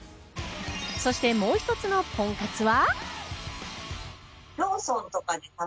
そしてもう一つのポン活は。